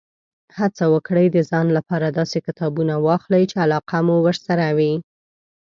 هڅه وکړئ، د ځان لپاره داسې کتابونه واخلئ، چې علاقه مو ورسره وي.